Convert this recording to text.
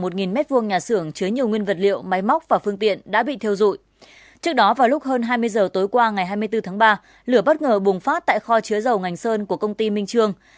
trước đó vào lúc hơn hai mươi giờ tối qua ngày hai mươi bốn tháng ba lửa bất ngờ bùng phát tại kho chứa dầu ngành sơn của công ty minh trương